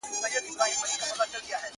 خـود به رڼـــا لـــه دغــه ښـــاره درومــــي~